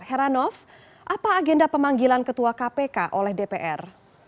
heranov apa agenda pemanggilan ketua kpk oleh dpr